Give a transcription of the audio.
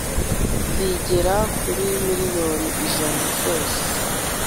zigera kuri miliyoni ijana zose